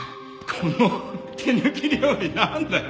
この手抜き料理何だよ